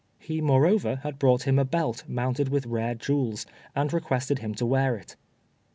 He, moreover, had brought him a belt mounted with rare jewels, and requested him to wear it.